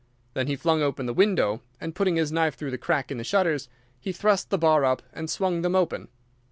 Then he flung open the window, and putting his knife through the crack in the shutters, he thrust the bar up and swung them open.